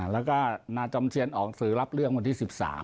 แล้วก็นาจอมเทียนออกสื่อรับเรื่องวันที่๑๓